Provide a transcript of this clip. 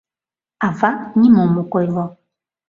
Ава нимом ок ойло.